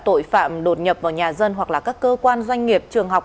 tội phạm đột nhập vào nhà dân hoặc là các cơ quan doanh nghiệp trường học